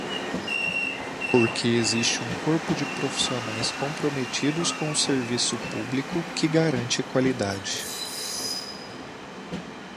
Porque existe um corpo de profissionais comprometidos com o serviço público que garante qualidade.